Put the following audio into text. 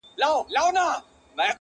• څه پروین د نیمي شپې څه سپین سبا دی..